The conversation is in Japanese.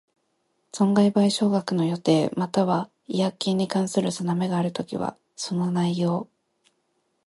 損害賠償額の予定又は違約金に関する定めがあるときは、その内容